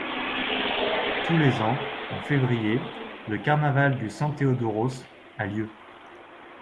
Tous les ans, en février, le carnaval du San Theodoros a lieu.